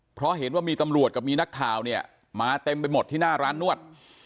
เพราะเห็นว่ามีตำรวจกับมีนักข่าวเนี่ยมาเต็มไปหมดที่หน้าร้านนวด